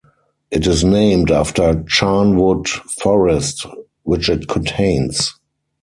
It is named after Charnwood Forest, which it contains.